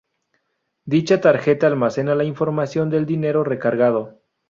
Dicha tarjeta almacena la información del dinero recargado.